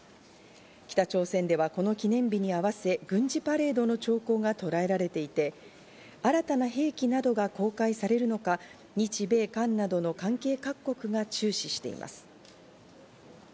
北朝鮮ではこの記念日に合わせ、軍事パレードの兆候がとらえられていて、新たな兵器などが公開されるのか、日米韓などの関係各国が注視しています。